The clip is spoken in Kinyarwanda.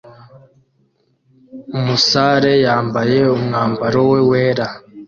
Umusare yambaye umwambaro we wera